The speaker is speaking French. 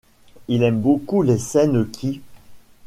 Il aime beaucoup les scènes qui...